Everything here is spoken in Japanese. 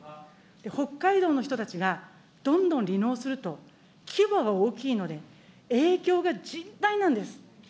北海道の人たちがどんどん離農すると、規模が大きいので、影響が甚大なんです。